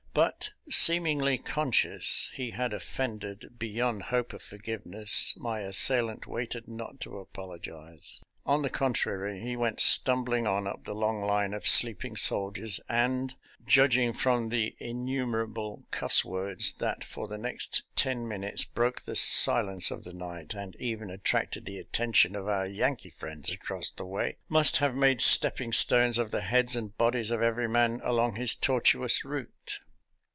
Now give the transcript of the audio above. But, seemingly conscious he had offended beyond hope of forgiveness, my assailant waited not to apologize. On the contrary, he went stumbling on up the long line of sleeping soldiers; and, 246 SOLDIER'S LETTERS TO CHARMING NELLIE judging from the innumerable cuss words that for the next ten minutes broke the silence of the night, and even attracted the attention of our Yankee friends across the way, must have made stepping stones of the heads and bodies of every man along his tortuous route.